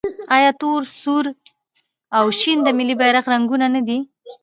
آیا تور، سور او شین د ملي بیرغ رنګونه نه دي؟